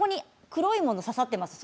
黒いものが刺さっていますね。